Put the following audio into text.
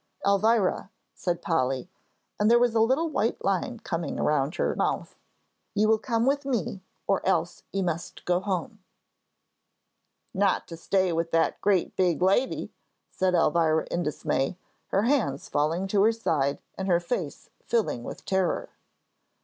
"Elvira," said Polly, and there was a little white line coming around her mouth, "you will come with me, or else you must go home." "Not to stay with that great big lady," said Elvira, in dismay, her hands falling to her side and her face filling with terror.